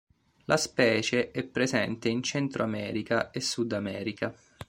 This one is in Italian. La specie è presente in Centro America e Sud America.